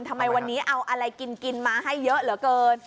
ทำไมวันนี้เอาอะไรกินมาให้เยอะเหลือเกิน